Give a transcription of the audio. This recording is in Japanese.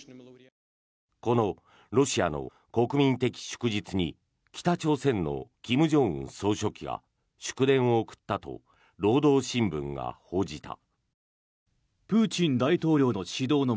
このロシアの国民的祝日に北朝鮮の金正恩総書記が祝電を送ったと労働新聞が報じた。